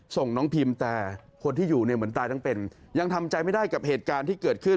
ส่งน้องพิมแต่คนที่อยู่เนี่ยเหมือนตายทั้งเป็นยังทำใจไม่ได้กับเหตุการณ์ที่เกิดขึ้น